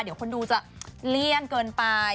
ดีเด้อคนดูจะเลี่ยนเกินไป